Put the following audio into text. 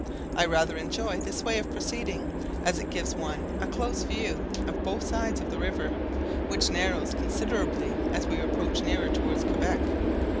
I rather enjoy this way of proceeding, as it gives one a close view of both sides the river, which narrows considerably as we approach nearer towards Quebec.